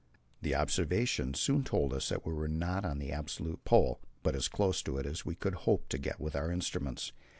The observations soon told us that we were not on the absolute Pole, but as close to it as we could hope to get with our instruments.